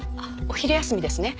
お昼休みですね。